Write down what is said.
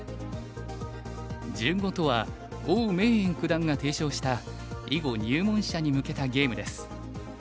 「純碁」とは王銘九段が提唱した囲碁入門者に向けたゲームです。